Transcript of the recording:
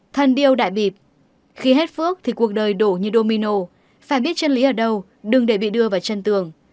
thân điêu đại bịp khi hết phước thì cuộc đời đổ như domino phải biết chân lý ở đâu đừng để bị đưa vào chân tường